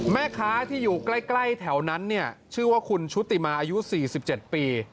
แม่ค้าที่อยู่ใกล้ใกล้แถวนั้นเนี้ยชื่อว่าคุณชุติมาอายุสี่สิบเจ็ดปี